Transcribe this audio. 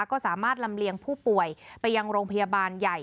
ก็สามารถลำเลียงผู้ป่วยไปยังโรงพยาบาลใหญ่